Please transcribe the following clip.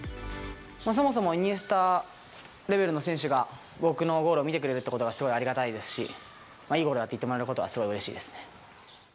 そもそもイニエスタレベルの選手が、僕のゴールを見てくれるっていうことがすごくありがたいですし、いいゴールだって言ってもらえることはすごいうれしいですね。